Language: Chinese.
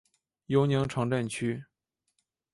尤宁城镇区。